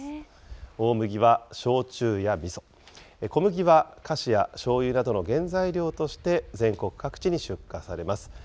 大麦は焼酎やみそ、小麦は菓子やしょうゆなどの原材料として、全国各地に出荷されます。